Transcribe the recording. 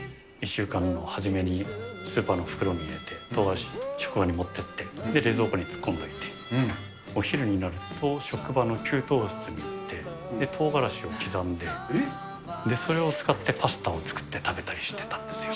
１週間の初めに、スーパーの袋に入れて、とうがらしを職場に持っていって、冷蔵庫に突っ込んどいて、お昼になると、職場の給湯室に行って、とうがらしを刻んで、それを使ってパスタを作って食べたりしてたんですよ。